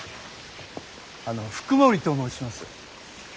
あの福森と申します。